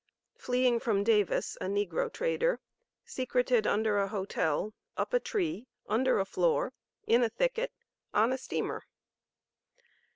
FLEEING FROM DAVIS A NEGRO TRADER, SECRETED UNDER A HOTEL, UP A TREE, UNDER A FLOOR, IN A THICKET, ON A STEAMER.